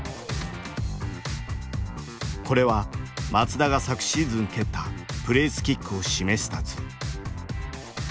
これは松田が昨シーズン蹴ったプレースキックを示した図。